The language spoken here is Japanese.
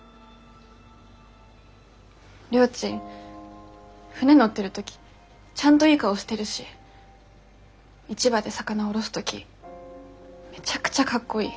りょーちん船乗ってる時ちゃんといい顔してるし市場で魚降ろす時めちゃくちゃかっこいい。